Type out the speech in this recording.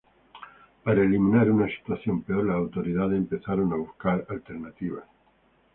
Para eliminar una situación peor, las autoridades empezaron a buscar alternativas.